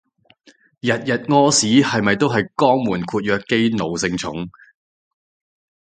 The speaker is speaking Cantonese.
日日屙屎係咪都係肛門括約肌奴性重